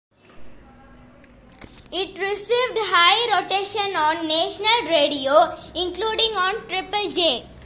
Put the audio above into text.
It received high rotation on national radio, including on Triple J.